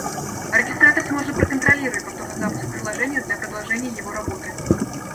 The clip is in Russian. Оркестратор сможет проконтролировать повторный запуск приложения для продолжения его работы